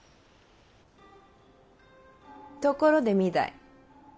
ところで御台。